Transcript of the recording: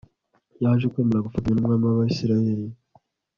yaje kwemera gufatanya numwami wAbisirayeli